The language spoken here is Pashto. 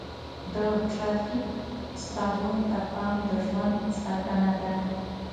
د ټرافیک څراغونو ته پام د ژوند ساتنه ده.